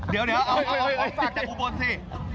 เดี๋ยวเอาของฝากจากอุบลสิ